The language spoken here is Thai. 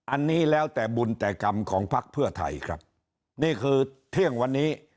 อันนี้แล้วแต่บุญแต่กรรมของพักเพื่อไทยครับนี่คือเที่ยงวันนี้